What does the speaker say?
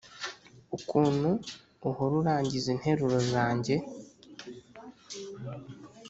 ukuntu uhora urangiza interuro zanjye.